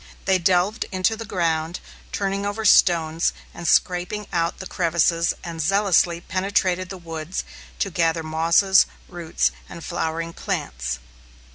They delved into the ground, turning over stones and scraping out the crevices, and zealously penetrated the woods to gather mosses, roots, and flowering plants.